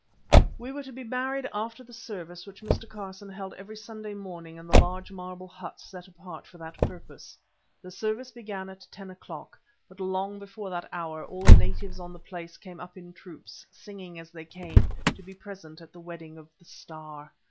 We were to be married after the service which Mr. Carson held every Sunday morning in the large marble hut set apart for that purpose. The service began at ten o'clock, but long before that hour all the natives on the place came up in troops, singing as they came, to be present at the wedding of the "Star."